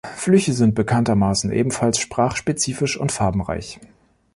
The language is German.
Flüche sind bekanntermaßen ebenfalls sprachspezifisch und farbenreich.